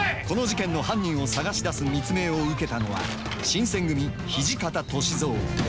この事件の犯人を探し出す密命を受けたのは新選組土方歳三。